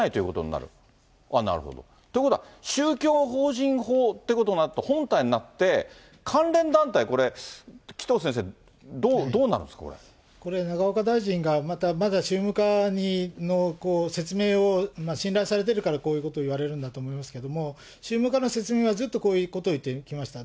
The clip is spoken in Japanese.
なるほど。ということは、宗教法人法ってことになると、本体になって、関連団体、これ、紀藤先生、これ、永岡大臣がまだ宗務課の説明を信頼されてるから、こういうことを言われるんだと思うんですけれども、宗務課の説明はずっとこういうことを言ってきました。